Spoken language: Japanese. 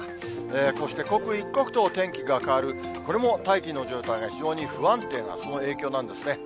こうして刻一刻と天気が変わる、これも大気の状態が非常に不安定なその影響なんですね。